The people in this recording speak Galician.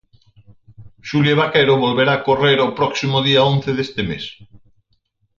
Xulia Vaquero volverá correr o próximo día once deste mes.